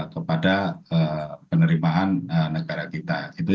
kepada penerimaan negara kita